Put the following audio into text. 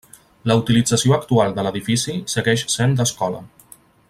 La utilització actual de l'edifici segueix sent d'escola.